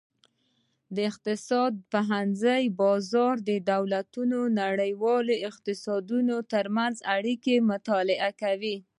د اقتصاد پوهنځی د بازارونو، دولتونو او نړیوالو اقتصادونو ترمنځ اړیکې مطالعه کوي.